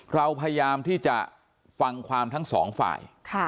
เราพยายามที่จะฟังความทั้งสองฝ่าย